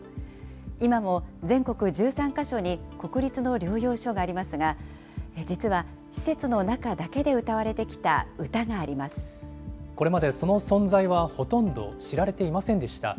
今も全国１３か所に国立の療養所がありますが、実は施設の中だけこれまでその存在はほとんど知られていませんでした。